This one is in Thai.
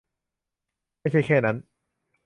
ไม่ใช่แค่นั้น